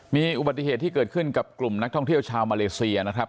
มีอุบัติเหตุที่เกิดขึ้นกับกลุ่มนักท่องเที่ยวชาวมาเลเซียนะครับ